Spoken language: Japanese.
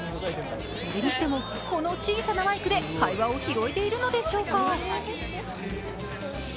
それにしても、この小さなマイクで会話を拾えているのでしょうか。